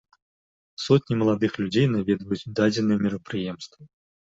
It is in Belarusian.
Сотні маладых людзей наведваюць дадзеныя мерапрыемствы.